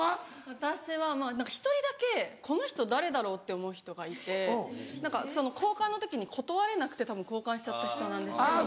私はまぁ１人だけこの人誰だろう？って思う人がいて何か交換の時に断れなくてたぶん交換しちゃった人なんですけど。